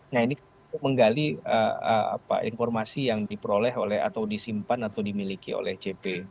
nah ini menggali informasi yang diperoleh oleh atau disimpan atau dimiliki oleh cp